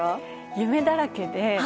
夢だらけで。